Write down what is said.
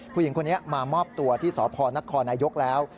ผู้หญิงคนนี้มามอบตัวที่สพนครนายกแล้ว